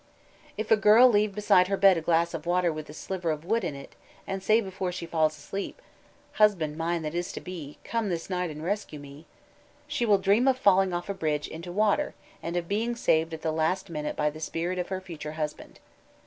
If a girl leave beside her bed a glass of water with a sliver of wood in it, and say before she falls asleep: "Husband mine that is to be, Come this night and rescue me," she will dream of falling off a bridge into the water, and of being saved at the last minute by the spirit of her future husband.